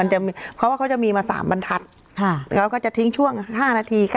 เราก็จะทิ้งช่วง๕นาที